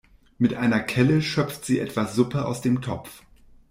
Mit einer Kelle schöpft sie etwas Suppe aus dem Topf.